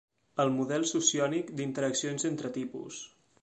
El model sociònic d'interaccions entre tipus.